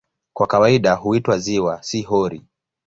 Kwa kawaida huitwa "ziwa", si "hori".